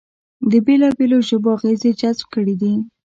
د بېلابېلو ژبو اغېزې جذب کړې دي